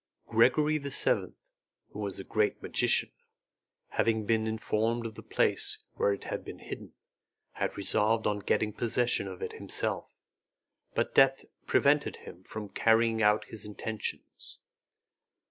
Gregory VII, who was a great magician, having been informed of the place where it had been hidden, had resolved on getting possession of it himself, but death prevented him from carrying out his intentions.